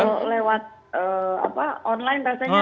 kalau lewat online rasanya